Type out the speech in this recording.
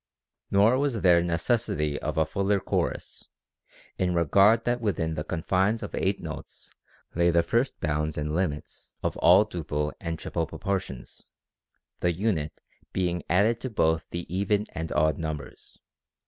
Nor was there neces sity of a fuller chorus, in regard that within the confines of eight notes lay the first bounds and limits of all duple and triple proportions ; the unit being added to both the even and odd numbers.